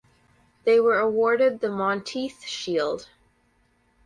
They were awarded the Monteith Shield.